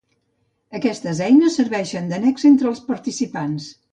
Aquestes eines serveixen de nexe entre els participants.